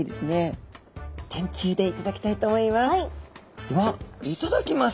天つゆで頂きたいと思います。